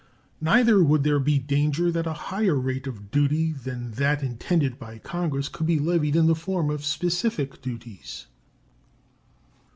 Neither would there be danger that a higher rate of duty than that intended by Congress could be levied in the form of specific duties.